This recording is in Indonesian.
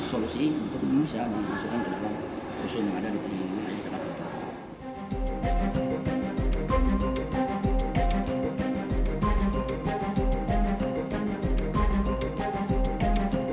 solusi untuk bisa masukkan ke dalam rusun yang ada di wilayah ketatun